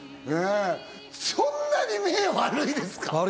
そんなに目悪いですか？